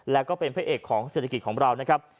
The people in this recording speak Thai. แล้วก็เป็นพระเอกของเศรษฐกิจของเรานะครับ